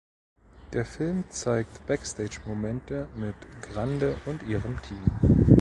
Der Film zeigt Backstage Momente mit Grande und ihrem Team.